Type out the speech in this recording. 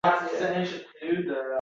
O‘ylaringga hamdard, hamroz keladi